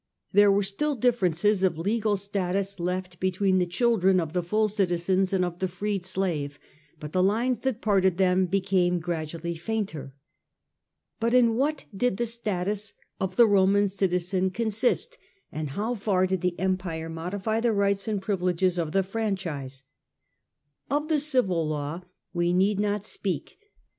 There were still differences of legal status left between the children of the full citizen and of the freed slave, but the lines that parted them became gradually fainter. But in what did the status of the citizen consist, and how far did the Empire modify the rights and privileges of the franchise ? Of the civil law we need not speak.